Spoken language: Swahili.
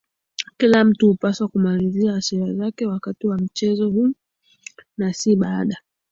Kila mtu hupaswa kumalizia hasira zake wakati wa mchezo huo na si baada